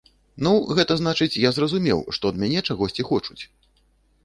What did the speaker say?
Ну, гэта значыць, я зразумеў, што ад мяне чагосьці хочуць.